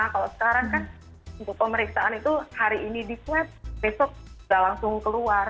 kalau sekarang kan untuk pemeriksaan itu hari ini di swab besok sudah langsung keluar